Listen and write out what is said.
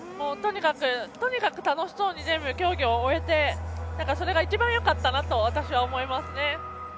とにかく楽しそうに全部競技を終えてそれが一番よかったなと私は思いますね。